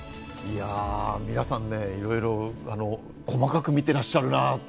皆さん、いろいろ細かく見てらっしゃるなって。